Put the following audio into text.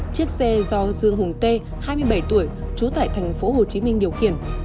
chiếc xe do dương hùng tê hai mươi bảy tuổi trú tại tp hcm điều khiển